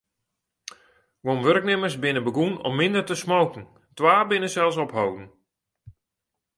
Guon wurknimmers binne begûn om minder te smoken, twa binne sels opholden.